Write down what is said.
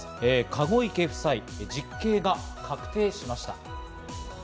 籠池夫妻の実刑が確定しました。